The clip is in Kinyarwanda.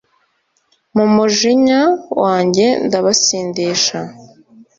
mu mujinya wanjye ndabasindisha,